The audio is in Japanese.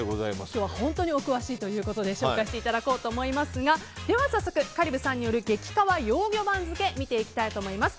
今日は本当にお詳しいということで紹介していただこうと思いますがでは早速、香里武さんによる激カワ幼魚番付を見ていきたいと思います。